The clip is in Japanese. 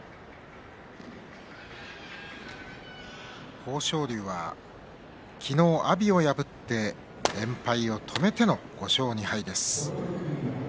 豊昇龍は昨日阿炎を破って連敗を止めての５勝２敗です。